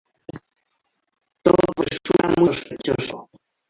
Todo resulta muy sospechoso.